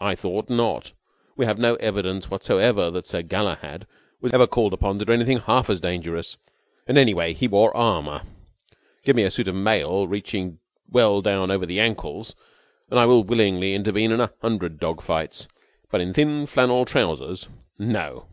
I thought not. We have no evidence whatsoever that Sir Galahad was ever called upon to do anything half as dangerous. And, anyway, he wore armour. Give me a suit of mail reaching well down over the ankles, and I will willingly intervene in a hundred dog fights. But in thin flannel trousers no!"